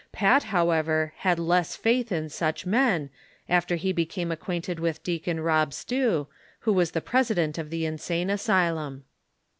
Pat, however, had less faith in such men, after he be came acquainted with Deacon Rob Stew, who wa's the president of the insane asylum.